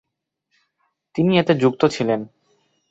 তিনি এতে যুক্ত ছিলেন।